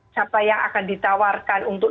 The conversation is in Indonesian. siapa yang akan ditawarkan untuk